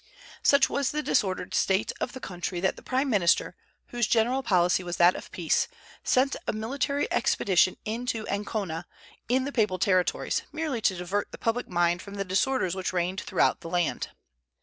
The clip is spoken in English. Such was the disordered state of the country that the prime minister, whose general policy was that of peace, sent a military expedition to Ancona, in the Papal territories, merely to divert the public mind from the disorders which reigned throughout the land.